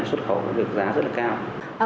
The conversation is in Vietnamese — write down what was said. xuất khẩu được giá rất là cao